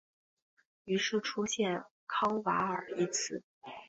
于是出现康瓦尔一词。